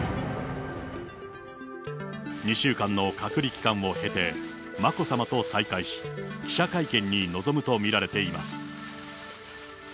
２週間の隔離期間を経て、眞子さまと再会し、記者会見に臨むと見られています。